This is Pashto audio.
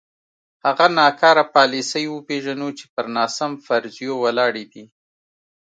هغه ناکاره پالیسۍ وپېژنو چې پر ناسم فرضیو ولاړې دي.